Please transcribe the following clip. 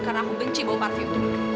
karena aku benci bau parfum